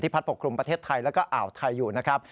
พัดปกคลุมประเทศไทยแล้วก็อ่าวไทยอยู่นะครับ